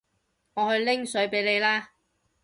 我去拎水畀你啦